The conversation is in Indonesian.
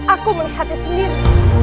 aku melihatnya sendiri